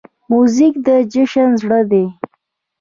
موزیک د جشن زړه دی.